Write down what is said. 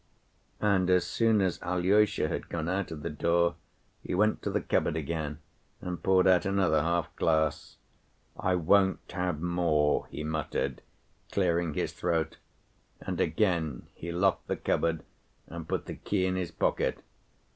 And as soon as Alyosha had gone out of the door, he went to the cupboard again and poured out another half‐glass. "I won't have more!" he muttered, clearing his throat, and again he locked the cupboard and put the key in his pocket.